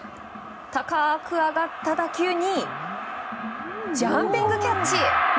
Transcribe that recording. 高く上がった打球にジャンピングキャッチ！